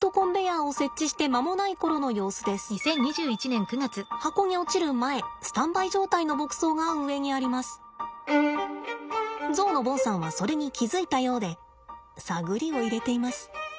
ゾウのボンさんはそれに気付いたようで探りを入れています。